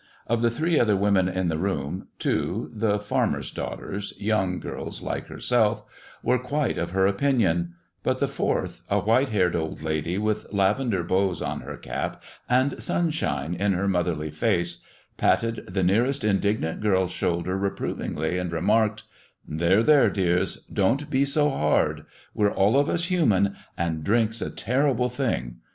Of the three other women in the room, two, the farmer's daughters, young girls like herself, were quite of her opinion; but the fourth, a white haired old lady with lavender bows on her cap and sunshine in her motherly face, patted the nearest indignant girl's shoulder reprovingly, and remarked: "There, there, dears; don't be so hard. We're all of us human, and drink's a terrible thing.